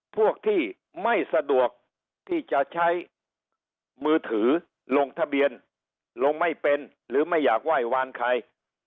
พวกที่ไม่สะดวกที่จะใช้มือถือลงทะเบียนลงไม่เป็นหรือไม่อยากไหว้วานใคร